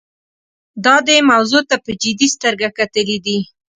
دا دې موضوع ته په جدي سترګه کتلي دي.